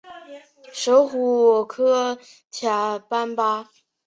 首府科恰班巴。